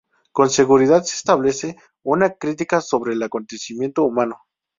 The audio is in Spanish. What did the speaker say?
Con seguridad se establece una crítica sobre el acontecimiento humano.